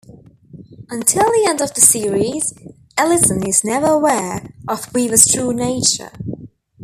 Until the end of the series, Ellison is never aware of Weaver's true nature.